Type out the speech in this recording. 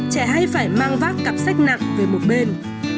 trẻ hay phải mang vác cặp sách nặng về một bên